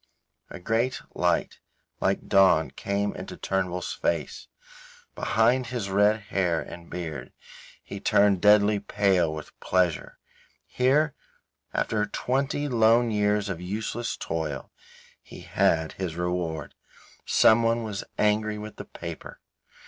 A great light like dawn came into Mr. Turnbull's face. Behind his red hair and beard he turned deadly pale with pleasure. Here, after twenty lone years of useless toil, he had his reward. Someone was angry with the paper.